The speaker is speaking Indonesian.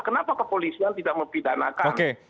kenapa kepolisian tidak mempidanakan